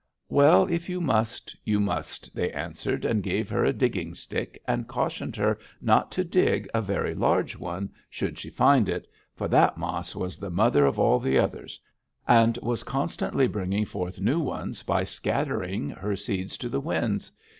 "'Well, if you must, you must,' they answered, and gave her a digging stick, and cautioned her not to dig a very large one, should she find it, for that mas was the mother of all the others, and was constantly bringing forth new ones by scattering her seed to the winds.